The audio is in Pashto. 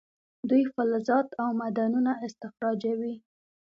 دوی فلزات او معدنونه استخراجوي.